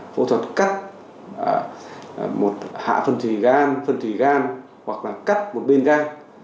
phẫu thuật cắt hạ phân thủy gan phân thủy gan hoặc là cắt một bên gan